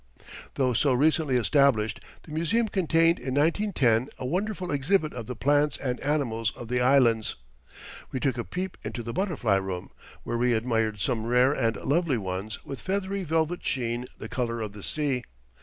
Though so recently established, the museum contained in 1910 a wonderful exhibit of the plants and animals of the Islands. We took a peep into the butterfly room, where we admired some rare and lovely ones with a feathery velvet sheen the colour of the sea.